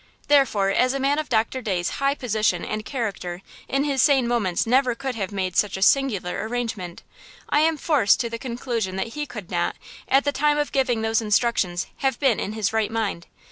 Therefore, as a man of Doctor Day's high position and character in his sane moments never could have made such a singular arrangement, I am forced to the conclusion that he could not, at the time of giving those instructions, have been in his right mind.